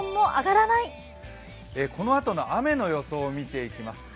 このあとの雨の様子を見ていきます。